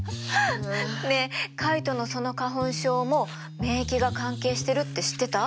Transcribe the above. ねえカイトのその花粉症も免疫が関係してるって知ってた？